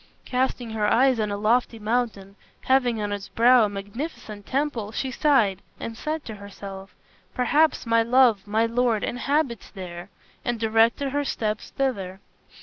Casting her eyes on a lofty mountain having on its brow a magnificent temple, she sighed and said to herself, "Perhaps my love, my lord, inhabits there," and directed her steps thither.